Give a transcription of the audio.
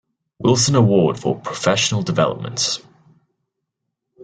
Wilson Award for Professional Development.